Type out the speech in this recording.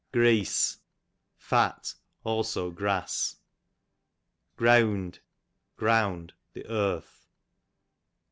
GTea.se, fat ; also grass. Greawnd, ground, the earth.